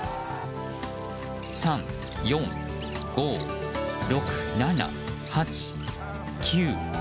３、４、５、６、７、８、９。